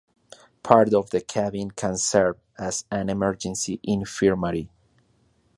Part of the cabin can serve as an emergency infirmary.